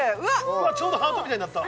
うわちょうどハートみたいになった